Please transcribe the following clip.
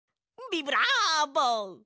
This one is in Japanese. ビブラボ！